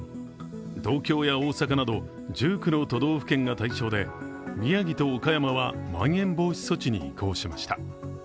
東京や大阪など１９の都道府県が対象で、宮城と岡山はまん延防止措置に移行しました。